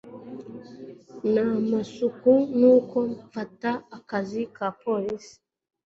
n'amasuka, nuko mfata akazi ka polisi